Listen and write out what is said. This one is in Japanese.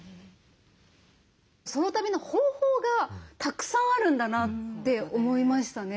ソロ旅の方法がたくさんあるんだなって思いましたね。